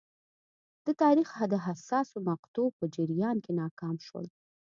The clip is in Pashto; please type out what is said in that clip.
د تاریخ د حساسو مقطعو په جریان کې ناکام شول.